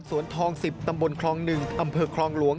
สวนทองสิบตัมบลคลองหนึ่งอำเภอครองหลวง